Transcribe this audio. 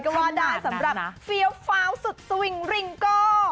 ก็ว่าได้สำหรับเฟี้ยวฟาวสุดสวิงริงโก้